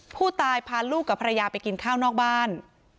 ผู้ตายพาลูกกับภรรยาไปกินข้าวนอกบ้าน